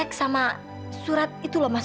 kamu ada di rumah